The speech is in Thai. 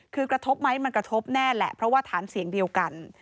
คือกระทบไหมมันกระทบแน่แหละเพราะว่าฐานเสียงเดียวกัน